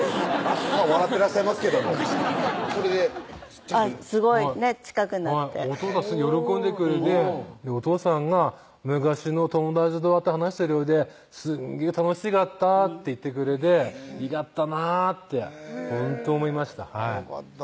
笑ってらっしゃいますけども腰抜けたそれですごいね近くなっておとうさんすごい喜んでくれておとうさんが「昔の友達と会って話してるようですんげぇ楽しかった」って言ってくれていがったなぁってほんと思いましたよかった